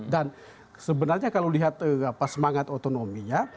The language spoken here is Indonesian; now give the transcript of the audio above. dan sebenarnya kalau lihat semangat otonominya